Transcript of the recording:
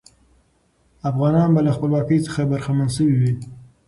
افغانان به له خپلواکۍ څخه برخمن سوي وي.